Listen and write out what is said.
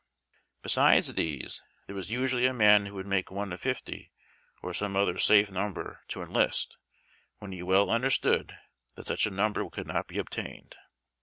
Besides these there was usually a man who would make one of fifty (or some other safe num ber) to enlist, when he well understood that such a number could not be obtained.